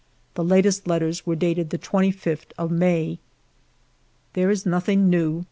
The latest letters were dated the 25th of May. There is nothing new.